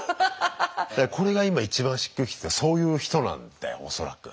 これが今一番しっくりきててそういう人なんだよ恐らく。